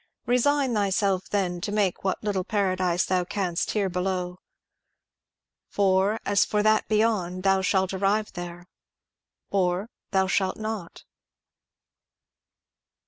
Resign thyself then to make what little paradise thou canst here be low; for, as for that beyond^ thou shalt arrive there, — or thou shalt not."